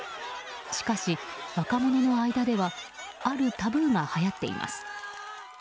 しかし若者の間ではあるタブーが、はやっています。